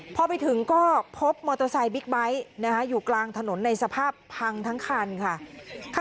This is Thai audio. พอไปถึงก็พบมอเตอร์ไซค์บิ๊กไบท์อยู่กลางถนนในสภาพพังทั้งคันค่ะ